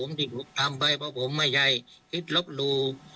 ผมที่ถูกทำไปเพราะผมไม่ใช่ฤทธิ์ลบลูก